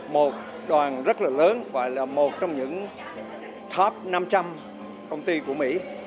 một đoàn rất là lớn gọi là một trong những top năm trăm linh công ty của mỹ